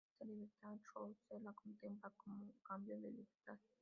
Esta libertad Rousseau la contempla como cambio de libertad.